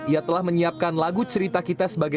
ia telah menyiapkan lagu cerita kita sebagai